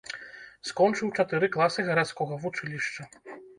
Скончыў чатыры класы гарадскога вучылішча.